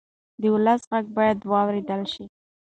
د ولس غږ باید واورېدل شي.